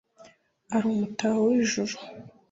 ari umutaho w’ijuru